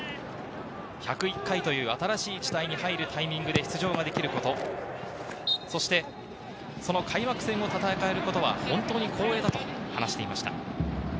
１０１回という新しい時代に入るタイミングで出場ができること、そしてその開幕戦を戦えることは本当に光栄だと話していました。